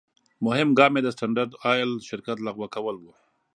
مهم ګام یې د سټنډرد آیل شرکت لغوه کول و.